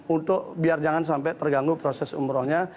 untuk biar jangan sampai terganggu proses umrohnya